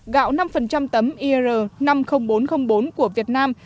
gạo năm tấm ir năm mươi nghìn bốn trăm linh bốn của việt nam